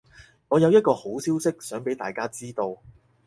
我有一個好消息想畀大家知道